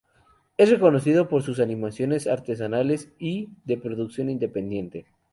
Es reconocido por sus animaciones artesanales y de producción independiente.